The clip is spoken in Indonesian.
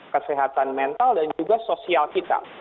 kesehatan mental dan juga sosial kita